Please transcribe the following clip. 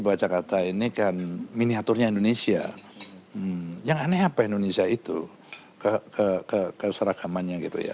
bahwa jakarta ini kan miniaturnya indonesia yang aneh apa indonesia itu keseragamannya gitu ya